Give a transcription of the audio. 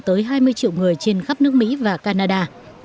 tới hai mươi triệu người trên khắp nước mỹ và canada